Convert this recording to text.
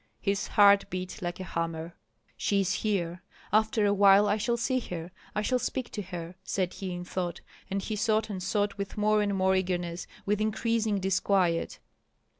His heart beat like a hammer. "She is here! After a while I shall see her, I shall speak to her," said he in thought. And he sought and sought with more and more eagerness, with increasing disquiet.